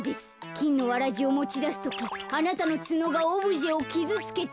きんのわらじをもちだすときあなたのツノがオブジェをキズつけたのです。